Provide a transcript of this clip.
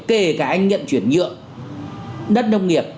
kể cả anh nhận chuyển nhượng đất nông nghiệp